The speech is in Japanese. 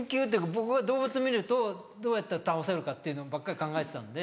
僕は動物見るとどうやったら倒せるかっていうのばっかり考えてたんで。